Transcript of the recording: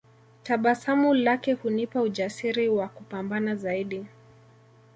Tabasamu lake hunipa ujasiri wa kupambana zaidi